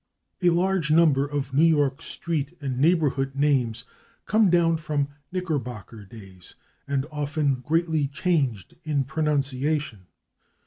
[Pg291] A large number of New York street and neighborhood names come down from Knickerbocker days, often greatly changed in pronunciation.